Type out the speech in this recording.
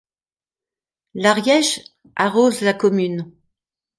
L'Ariège arrose la commune.